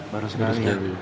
baru sekali ya